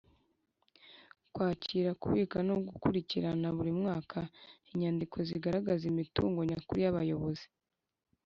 Kwakira kubika no gukurikirana buri mwaka inyandiko zigaragaza imitungo nyakuri y abayobozi